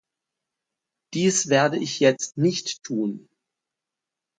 Dies werde ich jetzt nicht tun.